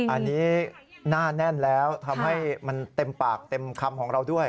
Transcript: อันนี้หน้าแน่นแล้วทำให้มันเต็มปากเต็มคำของเราด้วย